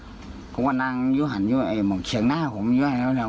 เพราะว่านางอยู่หันอยู่เอ่ยมองเฉียงหน้าผมอยู่หันอยู่หันอยู่